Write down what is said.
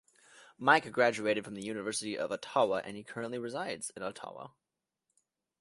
Mike graduated from the University of Ottawa and he currently resides in Ottawa.